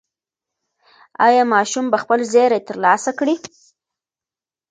ایا ماشوم به خپل زېری ترلاسه کړي؟